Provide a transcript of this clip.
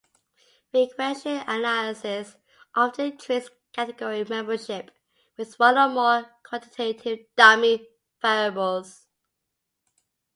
Regression analysis often treats category membership with one or more quantitative dummy variables.